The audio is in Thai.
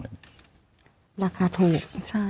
ราคาถูก